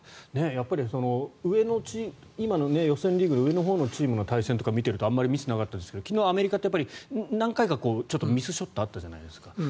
やっぱり今の予選リーグの上のほうのチームの対戦とかを見ているとあまりミスはなかったですけど昨日アメリカは何回かミスショットがあったじゃないですか。